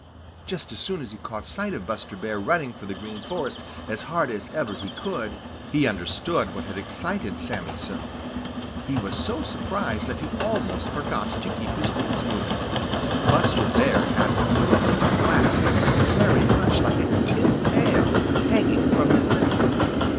Just as soon as he caught sight of Buster Bear running for the Green Forest as hard as ever he could, he understood what had excited Sammy so. He was so surprised that he almost forgot to keep his wings moving. Buster Bear had what looked to Blacky very much like a tin pail hanging from his neck!